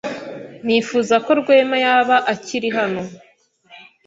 Nifuza ko Rwema yaba akiri hano.